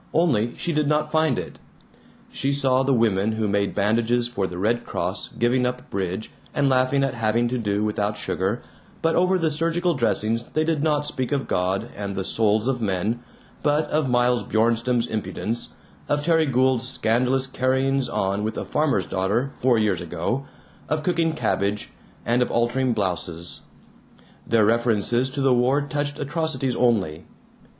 Only she did not find it. She saw the women who made bandages for the Red Cross giving up bridge, and laughing at having to do without sugar, but over the surgical dressings they did not speak of God and the souls of men, but of Miles Bjornstam's impudence, of Terry Gould's scandalous carryings on with a farmer's daughter four years ago, of cooking cabbage, and of altering blouses. Their references to the war touched atrocities only.